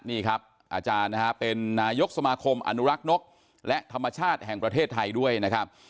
นี่ครับอาจารย์นะฮะเป็นนายกสมาคมอนุรักษ์นกและธรรมชาติแห่งประเทศไทยด้วยนะครับ